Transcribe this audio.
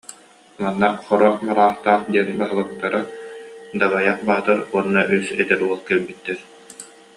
Манна Хоро Бараахтаах диэн баһылыктара, Дабайах Баатыр уонна үс эдэр уол кэлбиттэр